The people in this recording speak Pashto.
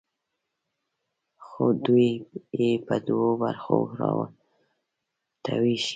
خو دوی یې په دوو برخو راته ویشي.